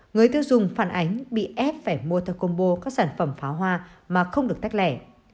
người tiêu dùng phản ánh bị ép phải mua theo combo các sản phẩm pháo hoa mà không được tách lẻ